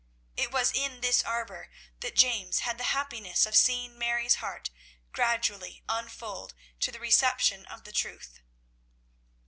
It was in this arbour that James had the happiness of seeing Mary's heart gradually unfold to the reception of the truth.